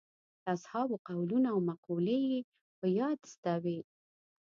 د اصحابو قولونه او مقولې یې په یاد زده وې.